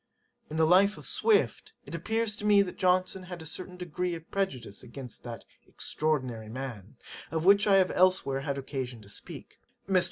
In the Life of SWIFT, it appears to me that Johnson had a certain degree of prejudice against that extraordinary man, of which I have elsewhere had occasion to speak. Mr.